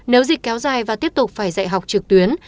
nếu dịch kéo dài và tiếp tục phải dạy học trực tuyến